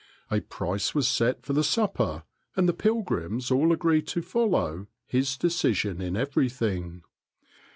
A price was set for the supper, and the pilgrims all agreed to follow his decision in everything.